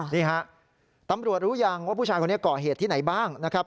นี่ฮะตำรวจรู้ยังว่าผู้ชายคนนี้ก่อเหตุที่ไหนบ้างนะครับ